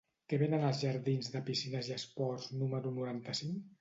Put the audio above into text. Què venen als jardins de Piscines i Esports número noranta-cinc?